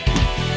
saya yang menang